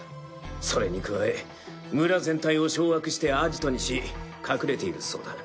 それに加え村全体を掌握してアジトにし隠れているそうだ。